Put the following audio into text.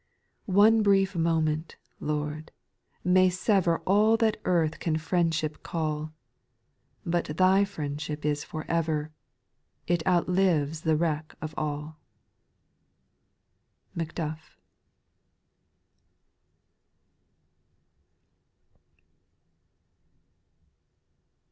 • 7. ( One brief moment, Lord, may sever All that earth can friendship call ; But Thy friendship is for ever, It outlives the wreck of all. ' MACDUFF.